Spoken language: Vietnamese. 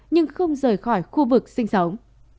nhưng không rời khỏi khu vực xây dựng